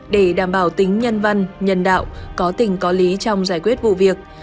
để đảm bảo tính nhân văn nhân đạo có tình có lý trong giải quyết vụ việc